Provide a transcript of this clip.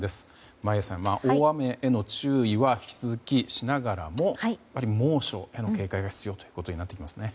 眞家さん、大雨への注意は引き続きしながらも猛暑への警戒が必要ということになってきますよね。